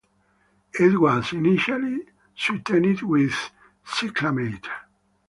It was initially sweetened with cyclamate.